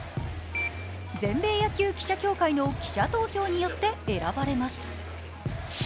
全米野球記者協会の記者投票によって選ばれます。